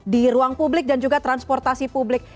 di ruang publik dan juga transportasi publik